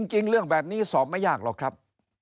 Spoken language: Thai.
จริงเรื่องแบบนี้สอบไม่ยากหรอกครับ